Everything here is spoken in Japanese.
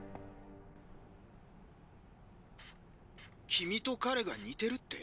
君と彼が似てるって？